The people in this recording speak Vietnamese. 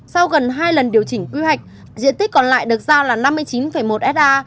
sau gần hai lần điều chỉnh quy hoạch diện tích còn lại được giao là năm mươi chín một ha